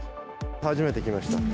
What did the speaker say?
初めて来ました。